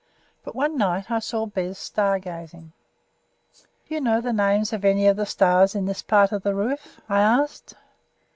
But one night I saw Bez star gazing. "Do you know the names of any of the stars in this part of the roof?" I asked.